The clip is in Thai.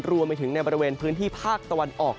รวมไปถึงในบริเวณพื้นที่ภาคตะวันออก